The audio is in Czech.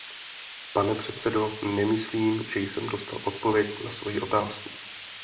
Pane předsedo, nemyslím, že jsem dostal odpověď na svoji otázku.